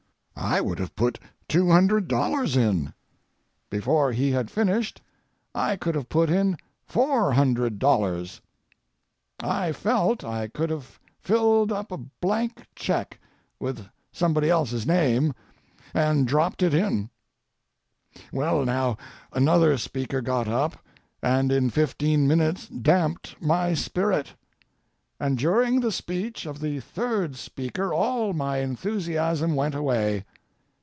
I would have put two hundred dollars in. Before he had finished I could have put in four hundred dollars. I felt I could have filled up a blank check—with somebody else's name—and dropped it in. Well, now, another speaker got up, and in fifteen minutes damped my spirit; and during the speech of the third speaker all my enthusiasm went away.